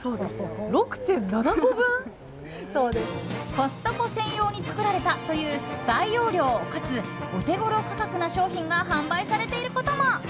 コストコ専用に作られたという大容量かつオテゴロ価格な商品が販売されていることも。